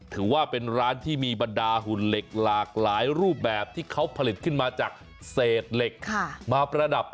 ถือว่าเป็นร้านที่มีบรรดาหุ่นเหล็กหลากหลายรูปแบบที่เขาผลิตขึ้นมาจากเศษเหล็กมาประดับ